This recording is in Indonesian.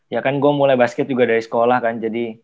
ya kan gue mulai basket juga dari sekolah kan